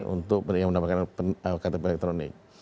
untuk yang mendapatkan kata elektronik